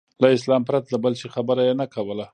له اسلام پرته د بل شي خبره یې نه کوله.